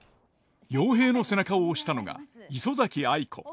陽平の背中を押したのが磯崎藍子。